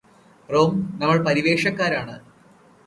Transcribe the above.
Rome നമ്മൾ പരിവേഷകാരാണ്